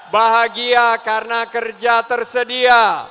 bahagia karena kerja tersedia